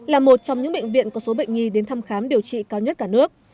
là một trong những bệnh viện có số bệnh nhi đến thăm khám điều trị cao nhất cả nước